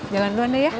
jalan duluan deh ya